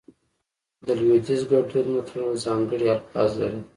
د لودیز ګړدود متلونه ځانګړي الفاظ لري